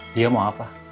dia mau apa